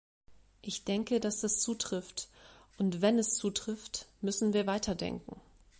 Ich denke, dass das zutrifft, und wenn es zutrifft, müssen wir weiterdenken.